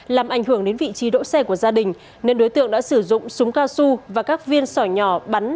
làm ảnh hưởng đến vị trí đỗ xe của gia đình nên đối tượng đã sử dụng súng cao su và các viên sỏi nhỏ bắn